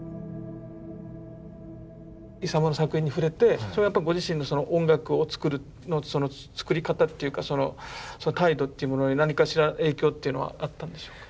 イサムの作品に触れてご自身の音楽を作る作り方っていうかその態度というものに何かしら影響っていうのはあったんでしょうか？